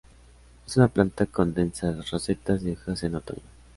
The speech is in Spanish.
Es una planta con densas rosetas de hojas en otoño.